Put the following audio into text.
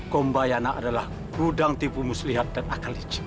kumbayana adalah gudang tipe muslihat dan akal licik